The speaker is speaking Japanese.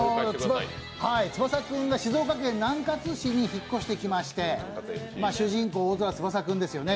翼君が静岡県南葛市に引っ越してきまして、主人公・大空翼君ですよね。